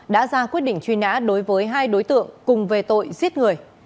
đã ra quyết định truy nã đối với hai đối tượng cùng về tội giết người